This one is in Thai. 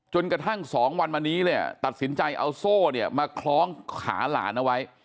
จนกระทั่ง๒วันมานี้เนี่ยตัดสินใจเอาโซ่เนี่ยมาคล้องขาหลานเอาไว้